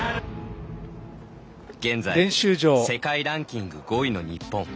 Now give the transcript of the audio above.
現在世界ランキング５位の日本。